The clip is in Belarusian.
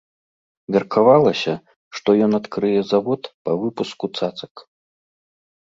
Меркавалася, што ён адкрые завод па выпуску цацак.